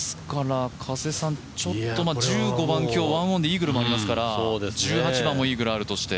ちょっと１５番、今日ワンオンでイーグルありますから、１８番もイーグルあるとして。